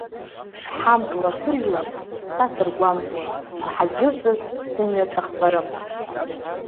Шҳамк ласыжәлан са сыргәамҵуа, мҳаџьырҵас сымҩа ҿахҵәарым.